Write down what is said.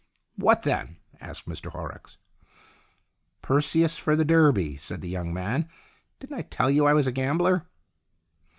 " What, then ?" asked Mr Horrocks. "Perseus for the Derby," said the young man. " Didn't I tell you I was a gambler